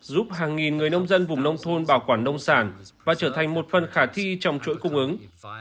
giúp hàng nghìn người nông dân vùng nông thôn bảo quản nông sản và trở thành một phần khả thi trong chuỗi cung ứng